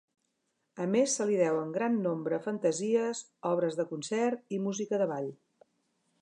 A més se li deuen gran nombre fantasies, obres de concert i música de ball.